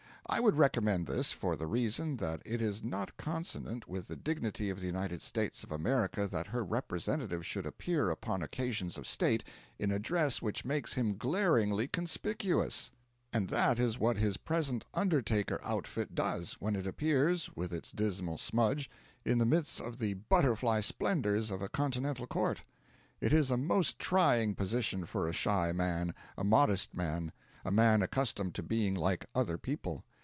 I would recommend this for the reason that it is not consonant with the dignity of the United States of America that her representative should appear upon occasions of state in a dress which makes him glaringly conspicuous; and that is what his present undertaker outfit does when it appears, with its dismal smudge, in the midst of the butterfly splendours of a Continental court. It is a most trying position for a shy man, a modest man, a man accustomed to being like other people.